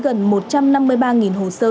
gần một trăm năm mươi ba hồ sơ